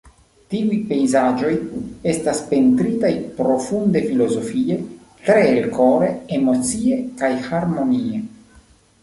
Tiuj pejzaĝoj estas pentritaj profunde filozofie, tre elkore, emocie kaj harmonie.